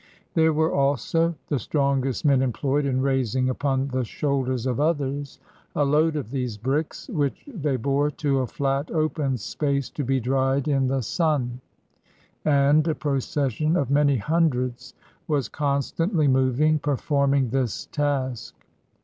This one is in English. There were also the strongest men employed in raising upon the shoulders of others a load of these bricks, which they bore to a flat, open space to be dried in the sun; and a procession of many hundreds was constantly moving, performing this 124 1 IN THE BRICK FIELDS task.